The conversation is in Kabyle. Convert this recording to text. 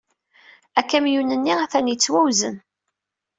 Akamyun-nni atan yettwawzan.